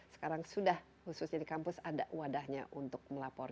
sekarang sudah khususnya di kampus ada wadahnya untuk melapor